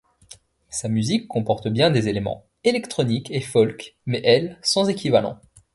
Sa musique comporte bien des éléments électroniques et folk, mais elle sans équivalent.